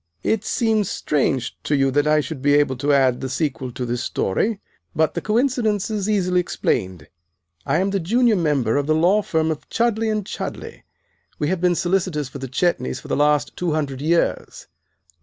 It seems strange to you that I should be able to add the sequel to this story. But the coincidence is easily explained. I am the junior member of the law firm of Chudleigh & Chudleigh. We have been solicitors for the Chetneys for the last two hundred years.